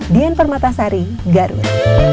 dian permatasari garut